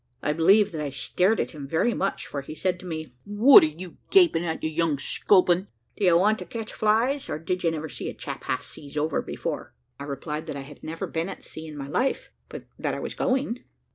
I believe that I stared at him very much, for he said to me, "What are you gaping at, you young sculping? Do you want to catch flies? or did you never see a chap half seas over before?" I replied, that "I had never been at sea in my life, but that I was going."